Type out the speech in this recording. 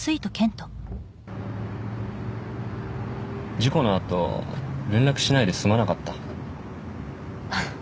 事故のあと連絡しないですまなかったあっ